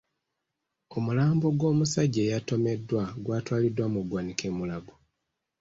Omulambo gw'omusajja eyatomeddwa gwatwaliddwa mu ggwanika e Mulago.